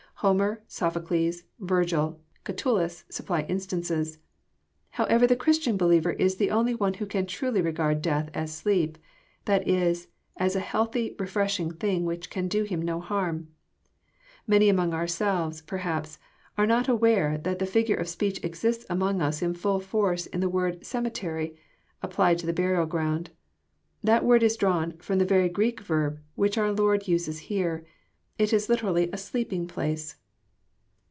Homer, Sophocles, Virgil, Catullus, supply instances. However, the Christian believer is the only one who can truly regard death as sleep, — that is, as a healthy, refreshing thing, which can do him no harm. Many among ourselves, per haps, are not aware that the figure of speech exists among us in Itill force in the word " cemetery," applied to burial ground. That word is drawn ft om the very Greek verb which our Lord uses here. It is literally a sleeping place."